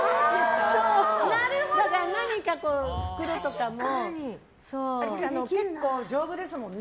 だから何かの袋とかも。結構丈夫ですもんね。